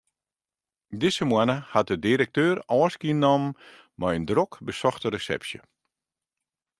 Dizze moanne hat de direkteur ôfskie nommen mei in drok besochte resepsje.